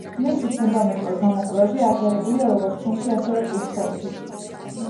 მისი ფუნდამენტური გამოკვლევები აღიარებულია როგორც ჩვენში ასევე უცხოეთშიც.